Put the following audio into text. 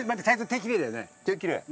手きれい。